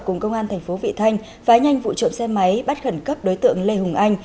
cùng công an thành phố vị thanh phá nhanh vụ trộm xe máy bắt khẩn cấp đối tượng lê hùng anh